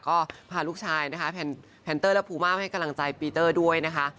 ก็พาลูกชายนะคะแพนเตอร์และภูมาให้กำลังใจปีเตอร์ด้วยนะคะ